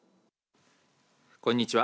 こんにちは。